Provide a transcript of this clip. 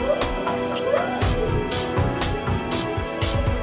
aku tidak mau